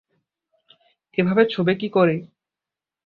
একে ছোঁবে কী করে?